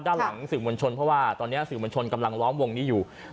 ด้านหลังสื่อมวลชนเพราะว่าตอนนี้สื่อมวลชนกำลังล้อมวงนี้อยู่